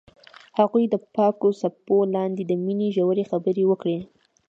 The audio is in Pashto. هغوی د پاک څپو لاندې د مینې ژورې خبرې وکړې.